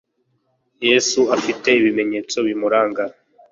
yesu afite ibimenyetsobimuranga